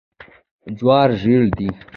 جوار ژیړ دي.